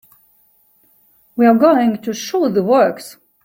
We're going to shoot the works.